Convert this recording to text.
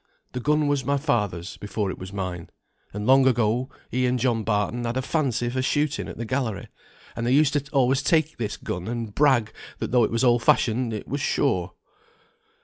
The gun was my father's before it was mine, and long ago he and John Barton had a fancy for shooting at the gallery; and they used always to take this gun, and brag that though it was old fashioned it was sure."